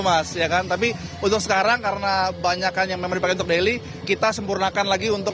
mas ya kan tapi untuk sekarang karena banyak hanya memiliki untuk daily kita sempurnakan lagi untuk